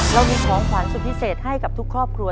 เรามีของขวัญสุดพิเศษให้กับทุกครอบครัว